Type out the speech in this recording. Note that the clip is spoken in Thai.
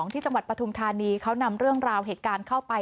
ที่จังหวัดปฐุมธานีเขานำเรื่องราวเหตุการณ์เข้าไป